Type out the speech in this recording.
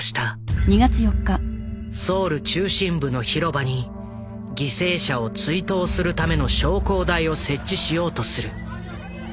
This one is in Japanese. ソウル中心部の広場に犠牲者を追悼するための焼香台を設置しようとする。